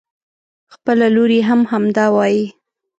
خپله لور يې هم همدا وايي.